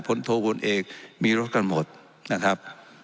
พลโทพลเอกมีรถกันหมดนะครับ